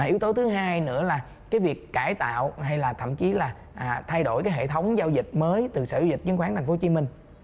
yếu tố thứ hai nữa là cái việc cải tạo hay là thậm chí là thay đổi cái hệ thống giao dịch mới từ sở dịch chứng khoán tp hcm